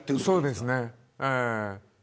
そうですね。